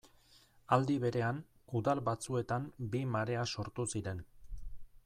Aldi berean, udal batzuetan bi marea sortu ziren.